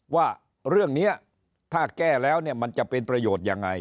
ว่าเรื่องนี้ถ้าแก้แล้วเนี่ยมันจะเป็นประโยชน์ยังไง